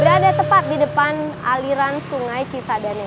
berada tepat di depan aliran sungai cisadane